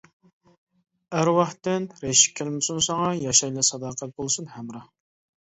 ئەرۋاھتىن رەشك كەلمىسۇن ساڭا، ياشايلى ساداقەت بولسۇن ھەمراھ.